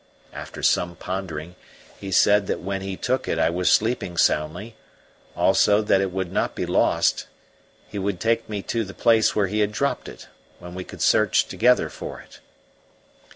After some pondering he said that when he took it I was sleeping soundly; also, that it would not be lost; he would take me to the place where he had dropped it, when we could search together for it.